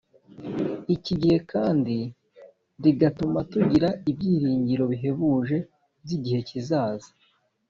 Iki gihe kandi rigatuma tugira ibyiringiro bihebuje by igihe kizaza